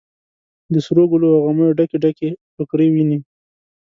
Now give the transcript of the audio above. د سروګلو او غمیو ډکې، ډکې ټوکرۍ ویني